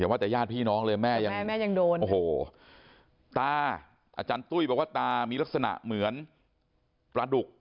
แต่ว่าแต่ญาติพี่น้องเลยแม่ยังแม่แม่ยังโดนโอ้โหตาอาจารย์ตุ้ยบอกว่าตามีลักษณะเหมือนปลาดุก